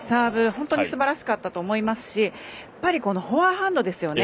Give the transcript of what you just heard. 本当にすばらしかったと思いますしやっぱり、フォアハンドですよね。